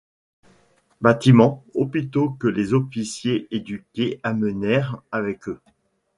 Bâtiments, hôpitaux que les officiers éduqués amenèrent avec eux.